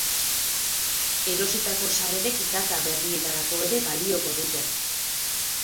Erositako sarrerek data berrietarako ere balioko dute.